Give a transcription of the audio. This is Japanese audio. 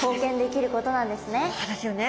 そうですよね。